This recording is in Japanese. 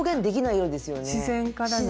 自然からのね。